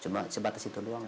cuma sebatas itu doang